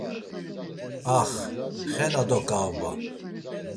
Ax, xela do k̆aoba.